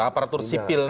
aparatur sipil negara